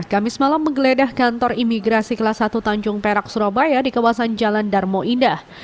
kamis malam menggeledah kantor imigrasi kelas satu tanjung perak surabaya di kawasan jalan darmo indah